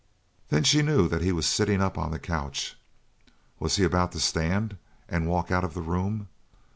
Then she knew that he was sitting up on the couch. Was he about to stand up and walk out of the room?